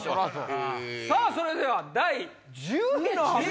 さぁそれでは第１０位の発表。